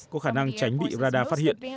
có khả năng tránh bị radar phát hiện